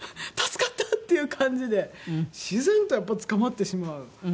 助かった！っていう感じで自然とやっぱりつかまってしまう。